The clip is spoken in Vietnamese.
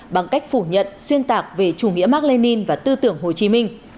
bằng cách phủ nhận xuyên tạc về chủ nghĩa mark lenin và tư tưởng hồ chí minh